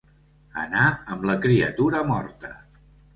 Anar amb la criatura morta.